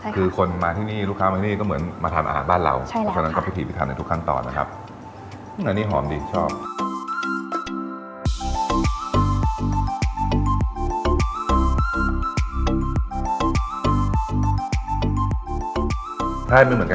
คือคนมาที่นี่ลูกค้ามาที่นี่ก็เหมือนมาทำอาหารบ้านเรา